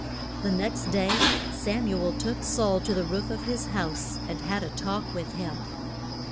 The next day Sam u el took Saul to the roof of his house, and had a talk with him.